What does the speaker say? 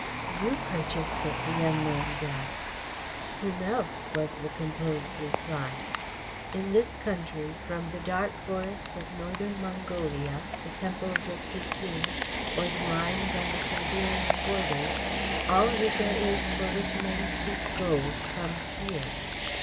"You purchased it!" the young man gasped. "Whom else?" was the composed reply. "In this country, from the dark forests of Northern Mongolia, the temples of Pekin, or the mines on the Siberian borders, all that there is for which men seek gold comes here.